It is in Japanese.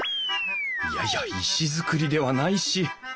いやいや石造りではないし。